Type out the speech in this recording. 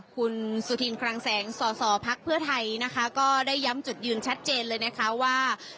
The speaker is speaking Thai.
คุณสุดทีนกลางแสงสสพท้ายนะคะก็ได้ย้ำจุดยืนชัดเจนเลยนะคะว่า